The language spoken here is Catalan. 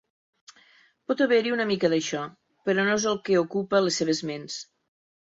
Pot haver-hi una mica d'això, però no és el que ocupa les seves ments.